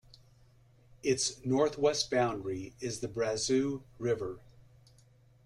Its northwest boundary is the Brazeau River.